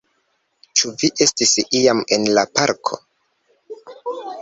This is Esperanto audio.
Ĉu vi estis iam en la parko?